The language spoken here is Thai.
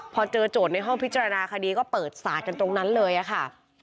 พอเจอโจทย์ในห้องพิจารณาคดีก็เปิดศาสตร์กันตรงนั้นเลยค่ะ